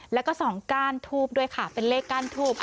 แล้วก็๒ก้านทูบด้วยค่ะเป็นเลขก้านทูบ